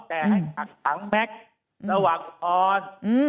แต่ให้กักขังแม็กซ์ระหว่างอุทธรณ์